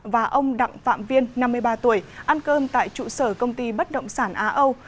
và ông đặng phạm viên năm mươi ba tuổi ăn cơm tại trụ sở công ty bất động sản á âu